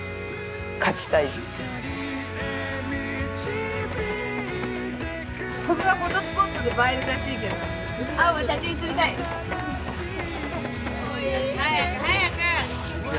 単純にやっぱここがフォトスポットで映えるらしいけどあおば写真撮りたい？早く早く！